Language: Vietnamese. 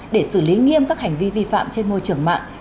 để xử lý nghiêm các hành vi vi phạm trên môi trường mạng